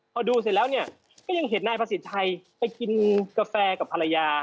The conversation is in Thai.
พอดูเสร็จแล้วเนี่ยก็ยังเห็นนายประสิทธิ์ชัยไปกินกาแฟกับภรรยา